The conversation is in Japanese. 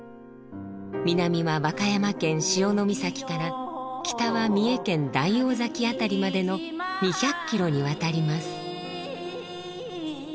南は和歌山県潮岬から北は三重県大王崎あたりまでの２００キロにわたります。